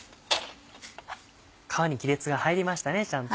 皮に亀裂が入りましたねちゃんと。